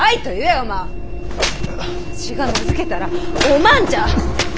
わしが名付けたらお万じゃ！